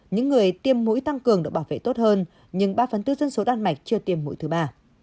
những người tiêm mũi tăng cường được bảo vệ tốt hơn nhưng ba phần tư dân số đan mạch chưa tiêm mũi thứ ba